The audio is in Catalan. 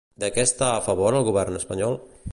De què està a favor el govern espanyol?